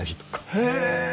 へえ！